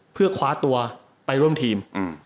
เพื่อคว้าตัวไปร่วมทีม